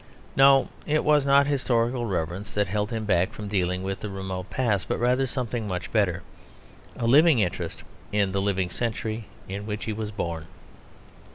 No, it was not historical reverence that held him back from dealing with the remote past; but rather something much better a living interest in the living century in which he was born.